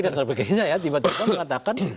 dan sebagainya ya tiba tiba mengatakan